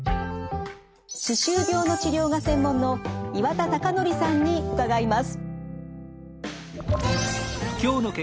歯周病の治療が専門の岩田隆紀さんに伺います。